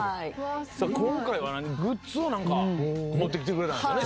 今回はグッズをなんか持ってきてくれたんですよね？